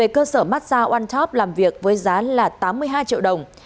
cơ sở massage onetop làm việc với giá là tám mươi hai triệu đồng